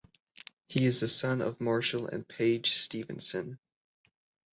He is the son of Marshall and Paige Stevenson.